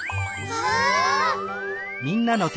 わあ！